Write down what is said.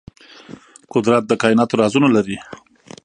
قدرت د کائناتو رازونه لري.